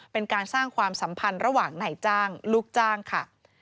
เป็นการสร้างความสัมพันธ์ระหว่างนายจ้างลูกจ้างค่ะ